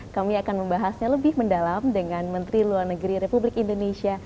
kami akan membahasnya lebih mendalam dengan menteri luar negeri republik indonesia